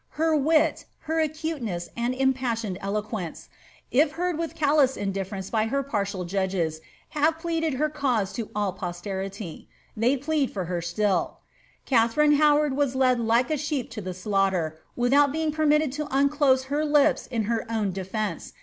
Her wit, Iwi aculeneas, and impassioned eloquence, if heard with callous inillRcr nee by her partial judges, have pleaded her cause to all posterity. They [leul for her siill. Katharine Howard was led like a sheep to the •langfater, without being permitted to uncloise her lips in her own d» imce.